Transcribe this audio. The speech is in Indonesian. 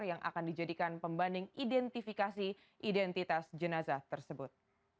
yang akan dijadikan pembanding identifikasi identitas jenazah tersebut